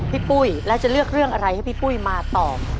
ปุ้ยแล้วจะเลือกเรื่องอะไรให้พี่ปุ้ยมาตอบ